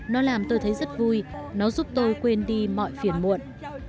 nó làm tôi thấy rất vui nó giúp tôi quên đi mọi phiền muộn